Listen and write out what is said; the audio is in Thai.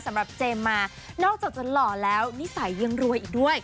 เจมส์มานอกจากจะหล่อแล้วนิสัยยังรวยอีกด้วย